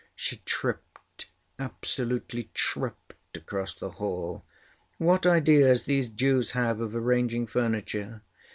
She tripped, absolutely tripped, across the hall. "What ideas these Jews have of arranging furniture!"